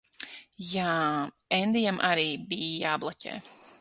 Jā. Endijam arī bija jābloķē.